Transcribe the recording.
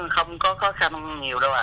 không có khó khăn nhiều đâu ạ